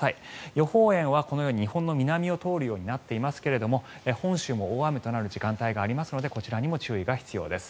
予報円は、このように日本の南を通るようになっていますが本州も大雨となる時間帯がありますのでこちらにも注意が必要です。